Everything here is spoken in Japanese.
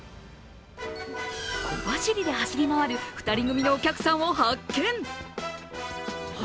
小走りで走り回る２人組のお客さんを発見。